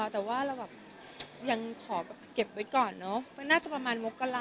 แต่ว่าเรายังขอเก็บไว้ก่อนน่าจะประมาณมกละ